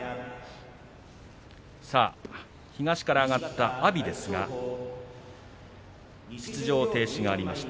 東から上がった阿炎ですが出場停止がありました。